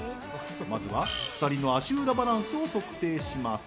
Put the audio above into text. まずは２人の足裏バランスを測定します。